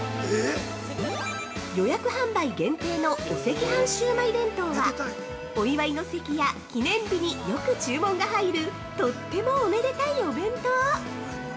◆予約販売限定の「お赤飯シウマイ弁当」はお祝いの席や記念日によく注文が入るとってもおめでたいお弁当。